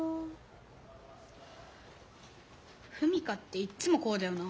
史佳っていっつもこうだよな。